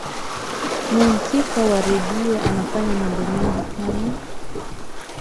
mhusika wa redio anafanya mambo mengi sana